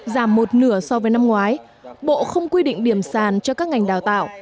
giảm một nửa so với năm ngoái bộ không quy định điểm sàn cho các ngành đào tạo